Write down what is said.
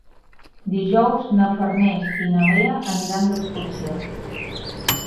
Dijous na Farners i na Lea aniran d'excursió.